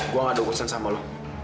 gue gak ada urusan sama lo